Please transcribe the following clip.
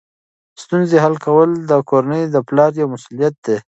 ستونزې حل کول د کورنۍ د پلار یوه مسؤلیت ده.